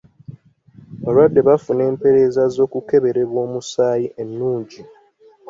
Abalwadde bafuna empereza z'okukeberebwa omusaayi ennungi.